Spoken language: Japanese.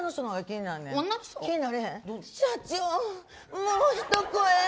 もうひと声！